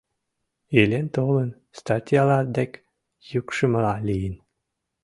Илен-толын, статьяла дек йӱкшымыла лийын.